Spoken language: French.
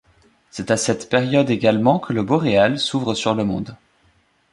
C'est à cette période également que le Boréal s'ouvre sur le monde.